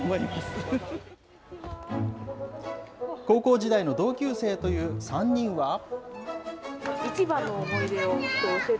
高校時代の同級生という３人は。